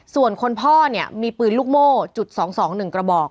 ส่วนคนพ่อเนี่ยมีปืนลูกโม่จุด๒๒๑กระบอก